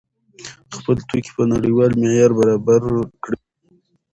خپل توکي په نړیوال معیار برابر کړئ.